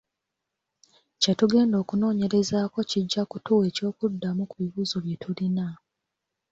Kye tugenda okunoonyerezaako kijja kutuwa eky'okuddamu ku bibuuzo bye tulina.